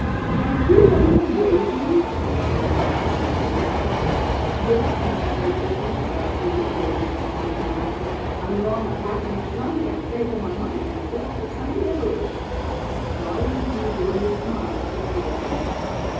"Are you running away, Judy?" asked Molly, trying another tack. "Yes, my Mariucci," cried Judy, quoting a popular song, "'I'm gona packa my trunk and taka my monk and sail for sunny It.'" Molly refused even to smile at this witticism.